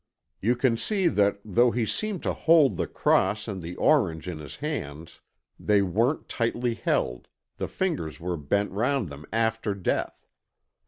You can see that though he seemed to hold the cross and the orange in his hands, they weren't tightly held, the fingers were bent round them after death.